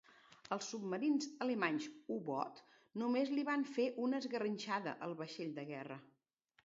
Els submarins alemanys U-boot només li van fer una esgarrinxada al vaixell de guerra.